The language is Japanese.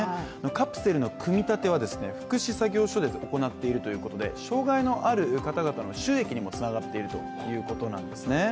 カプセルの組み立ては福祉作業所で行っているということで障害のある方々の収益にもつながっているということなんですね。